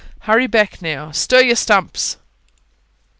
Hurry back, now. Stir your stumps!"